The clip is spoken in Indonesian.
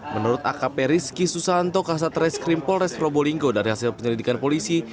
menurut akp rizky susanto kasat reskrim polres probolinggo dari hasil penyelidikan polisi